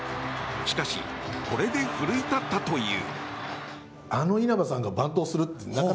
しかし、これで奮い立ったという。